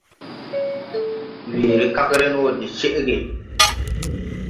Weere kagren wɔ de cɛʼge.